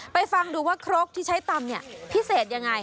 ฟังดูว่าครกที่ใช้ตำพิเศษยังไง